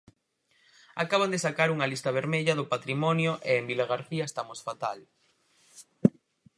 Acaban de sacar unha lista vermella do patrimonio e en Vilagarcía estamos fatal.